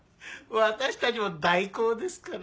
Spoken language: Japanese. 私たちも代行ですから。